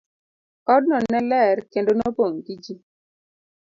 Odno ne ler kendo nopong' gi ji.